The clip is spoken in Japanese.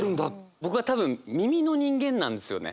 僕は多分耳の人間なんですよね。